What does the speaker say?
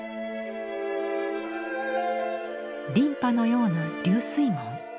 琳派のような流水文。